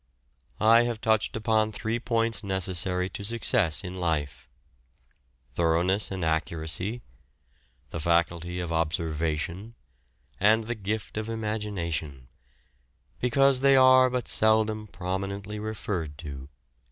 I have touched upon three points necessary to success in life, "thoroughness and accuracy," the faculty of "observation," and the gift of "imagination," because they are but seldom prominently referred to.